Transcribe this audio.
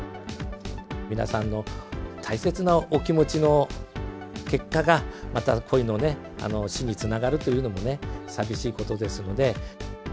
皆さんの大切なお気持ちの結果が、またコイの死につながるというのもね、寂しいことですので。